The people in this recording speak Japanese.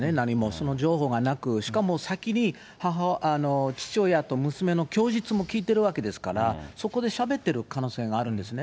その情報がなく、しかも先に、父親と娘の供述も聞いてるわけですから、そこでしゃべってる可能性があるんですね。